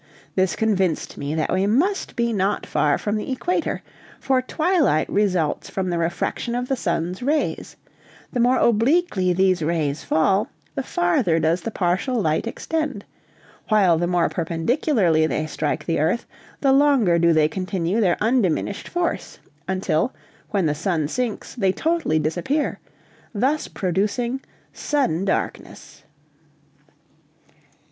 This convinced me that we must be not far from the equator, for twilight results from the refraction of the sun's rays: the more obliquely these rays fall, the farther does the partial light extend; while the more perpendicularly they strike the earth, the longer do they continue their undiminished force, until, when the sun sinks, they totally disappear, thus producing sudden darkness.